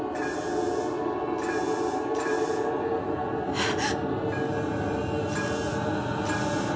えっ？